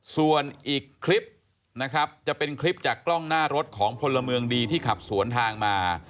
ส่วนอีกคลิปนะครับจะเป็นคลิปจากกล้องหน้ารถของพลเมืองดีที่ขับสวนทางมา